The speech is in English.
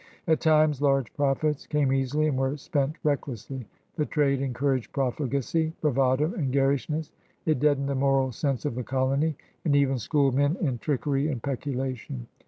At times large profits came easily and were spent recklessly. The trade encouraged profligacy, bravado, and garishness; it deadened the moral sense of the colony, and even schooled men in trickery and peculation.